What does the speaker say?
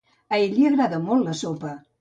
A ell li agrada molt la sopa.